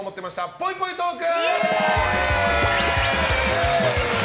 ぽいぽいトーク！